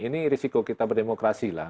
ini risiko kita berdemokrasi lah